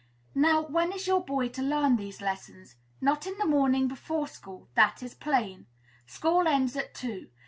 Now, when is your boy to learn these lessons? Not in the morning, before school; that is plain. School ends at two.